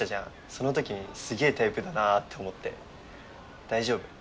その時にすげぇタイプだなって思って大丈夫！